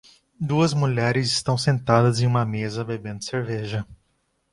Duas mulheres estão sentadas em uma mesa e bebendo cerveja.